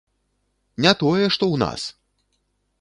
Не тое, што ў нас!